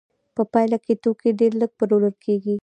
په پایله کې توکي ډېر لږ پلورل کېږي